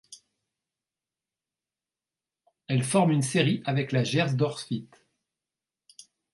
Elle forme une série avec la Gersdorffite.